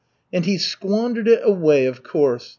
"And he squandered it away, of course.